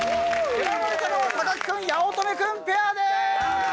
選ばれたのは木君・八乙女君ペアでーす！